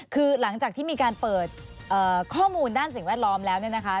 คือหลังจากที่มีการเปิดข้อมูลด้านสิ่งแวดล้อมแล้วเนี่ยนะคะ